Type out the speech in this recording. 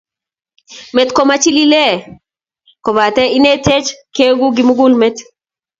Meet komakichilile kobate ineteech keeku kimugul met.